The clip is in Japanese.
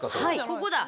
ここだ。